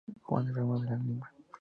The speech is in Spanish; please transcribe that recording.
Juana era una de Lima.